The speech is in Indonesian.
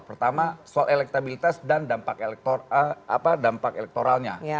pertama soal elektabilitas dan dampak elektoralnya